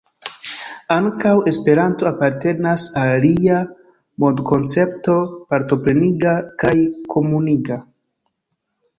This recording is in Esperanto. Ankaŭ Esperanto apartenas al lia mondkoncepto partopreniga kaj komuniga.